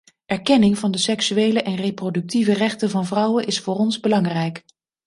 Erkenning van de seksuele en reproductieve rechten van vrouwen is voor ons belangrijk.